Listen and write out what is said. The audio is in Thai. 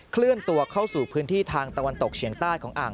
เคลื่อนตัวเข้าสู่พื้นที่ทางตะวันตกเฉียงใต้ของอ่าง